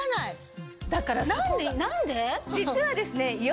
実はですねＩＯ